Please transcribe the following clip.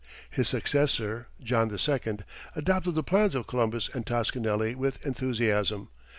His successor, John II., adopted the plans of Columbus and Toscanelli with enthusiasm.